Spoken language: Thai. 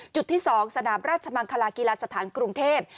จุดที่สองสนามราชมังคลากีฬาศาสตร์กรุงเทพฯ